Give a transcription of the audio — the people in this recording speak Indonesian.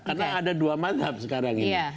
karena ada dua madhab sekarang ini